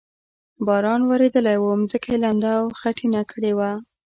باران ورېدلی و، ځمکه یې لنده او خټینه کړې وه.